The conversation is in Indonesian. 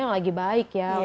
yang lagi baik ya